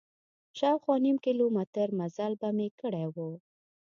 شاوخوا نیم کیلومتر مزل به مې کړی و.